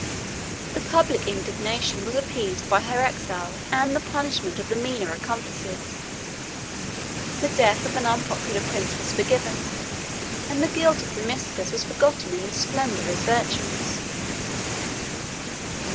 The public indignation was appeased by her exile, and the punishment of the meaner accomplices: the death of an unpopular prince was forgiven; and the guilt of Zimisces was forgotten in the splendor of his virtues.